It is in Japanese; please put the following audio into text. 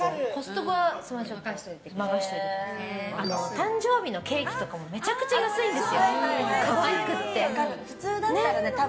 誕生日のケーキとかもめちゃくちゃ安いんです。